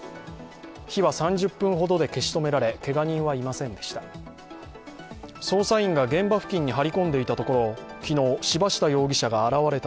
火は３０分程で消し止められ、けが人はいませんでした。